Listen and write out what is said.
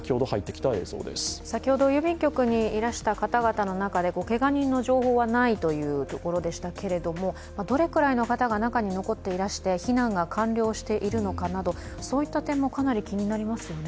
先ほど郵便局にいらした方の中でけが人の情報はないというところでしたけどもどれくらいの方が中に残っていらして避難が完了しているのかなどそういった点もかなり気になりますよね。